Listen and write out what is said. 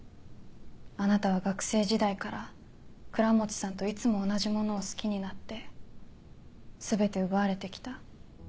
あなたは学生時代から倉持さんといつも同じものを好きになって全て奪われて来た。